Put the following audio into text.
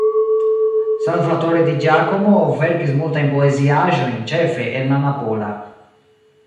Salvatore Di Giacomo verkis multajn poeziaĵojn ĉefe en la napola.